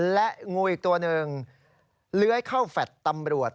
และงูอีกตัวหนึ่งเลื้อยเข้าแฟลต์ตำรวจ